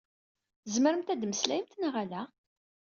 Tzemremt ad mmeslayemt neɣ ala?